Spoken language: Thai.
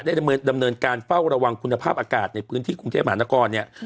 ดำเนินการเฝ้าระวังคุณภาพอากาศในพื้นที่กรุงเทพมหานครเนี่ย